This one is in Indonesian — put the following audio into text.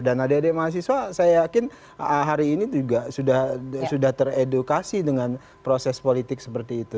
dan adik adik mahasiswa saya yakin hari ini juga sudah teredukasi dengan proses politik seperti itu